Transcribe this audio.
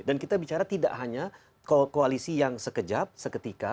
dan kita bicara tidak hanya koalisi yang sekejap seketika